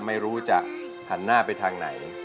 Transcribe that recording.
ไม่รู้จะหันหน้าไปทางไหน